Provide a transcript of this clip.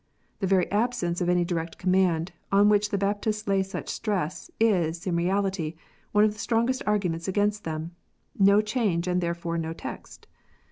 The very absence of any direct command, on which the Baptists lay such stress, is, in reality, one of the strongest arguments against them ! No change and therefore no text